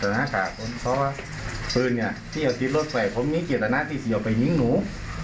เพราะว่าปืนที่เอาทิศลดไปผมมีเจตนาธิศิษย์ออกไปนิ้งหนู